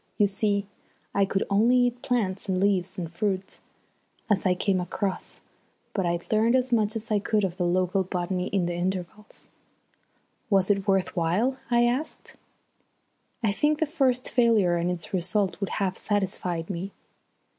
You see, I could only eat plants and leaves and such fruit as I came across; but I'd learnt as much as I could of the local botany in the intervals." "Was it worth while?" I asked. "I think the first failure and its result would have satisfied me."